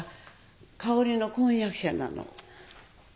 香織の婚約者なの。